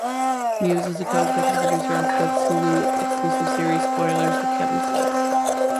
Mewes is co-Executive Producer on Smith's Hulu-exclusive series "Spoilers with Kevin Smith".